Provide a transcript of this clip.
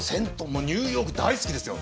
もうニューヨーク大好きですよ。